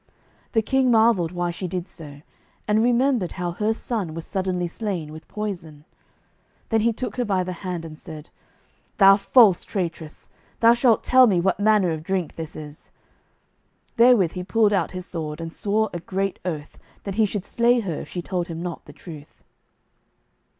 The king marvelled why she did so, and remembered how her son was suddenly slain with poison. Then he took her by the hand, and said: "Thou false traitress, thou shalt tell me what manner of drink this is." Therewith he pulled out his sword, and swore a great oath that he should slay her if she told him not the truth.